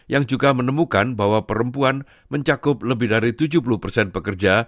yang juga menemukan bahwa perempuan mencakup lebih dari tujuh puluh persen pekerja